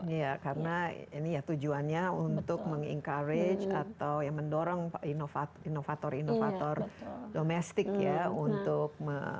iya karena ini ya tujuannya untuk meng encourage atau mendorong inovator inovator domestik ya untuk